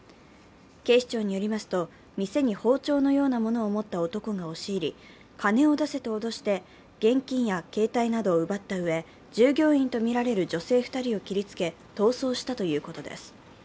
警視庁によりますと店に包丁のようなものを持った男が押し入り、金を出せと脅して現金や携帯などを奪ったうえ、従業員とみられる女性２人を切りつけ、逃走したということです。